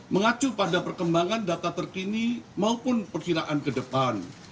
mengacu pada perkembangan data terkini maupun perkiraan ke depan